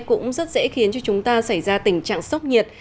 cũng rất dễ khiến cho chúng ta xảy ra tình trạng sốc nhiệt